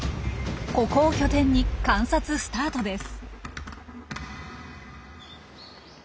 ここを拠点に観察スタートです。